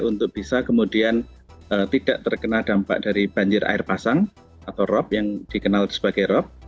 untuk bisa kemudian tidak terkena dampak dari banjir air pasang atau rob yang dikenal sebagai rob